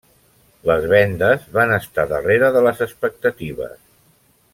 Les vendes van estar darrere de les expectatives.